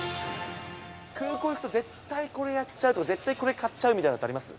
空港行くと、絶対これやっちゃうとか、絶対これ買っちゃうとかってやつあります？